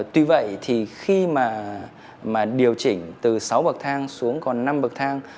tuy vậy thì khi mà điều chỉnh từ sáu bậc thang xuống còn năm bậc thang